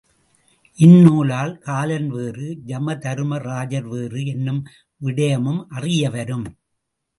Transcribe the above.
இந் நூலால், காலன் வேறு, யம தருமாஜர் வேறு என்னும் விடயமும் அறியவரும்.